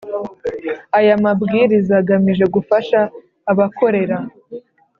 Aya Mabwiriza agamije gufasha abakorera